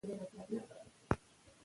په زده کړه کې ویره نشته.